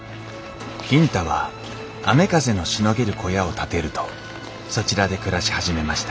金太は雨風のしのげる小屋を建てるとそちらで暮らし始めました。